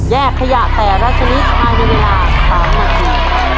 ขยะแต่ละชนิดภายในเวลา๓นาที